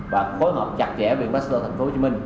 và khối hợp chặt chẽ với bác sĩ thành phố hồ chí minh